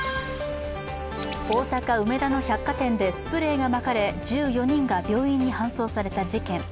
大阪・梅田の百貨店でスプレーがまかれ１４人が病院に搬送された事件。